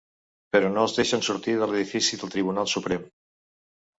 Però no els deixen sortir de l’edifici del Tribunal Suprem.